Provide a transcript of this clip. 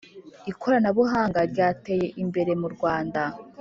Ikoranabuhanga ryateye imbere murwanda